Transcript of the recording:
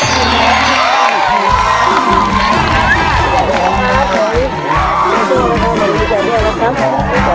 สุดท้าย